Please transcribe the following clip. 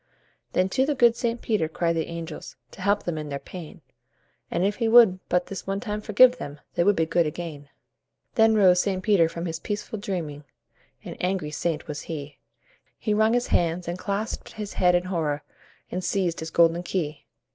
Then to the good St. Peter cried the angels To help them in their pain, And if he would but this one time forgive them, They would be good again. Then rose St. Peter from his peaceful dreaming An angry saint was he He wrung his hands and clasped his head in horror, And seized his golden key.